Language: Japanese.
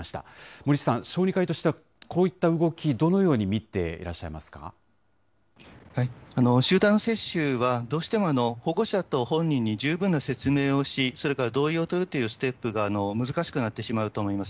森内さん、小児科医としては、こういった動き、どのように見ていらっしゃい集団接種はどうしても、保護者と本人に十分な説明をし、それから同意を取るというステップが難しくなってしまうと思います。